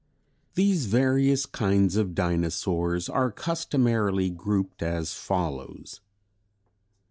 ] These various kinds of Dinosaurs are customarily grouped as follows: I.